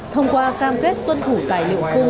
thông qua cam kết tuân thủ tài liệu khu